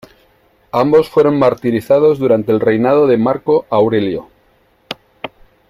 Ambos fueron martirizados durante el reinado de Marco Aurelio.